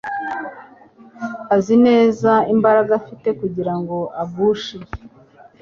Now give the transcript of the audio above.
Azi neza imbaraga afite kugira ngo agushe